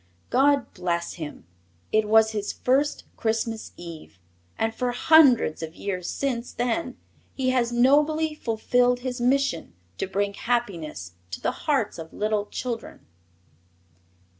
God bless him! It was his first Christmas Eve, and for hundreds of years since then he has nobly fulfilled his mission to bring happiness to the hearts of little children. 11.